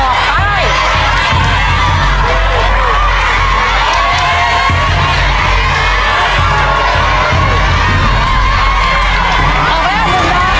ให้ออกได้